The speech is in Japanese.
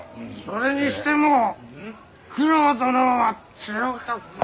それにしても九郎殿は強かった。